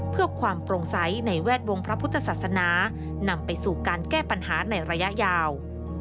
เพื่อความโปร่งใสในแวดวงพระพุทธศาสนานำไปสู่การแก้ปัญหาในระยะยาว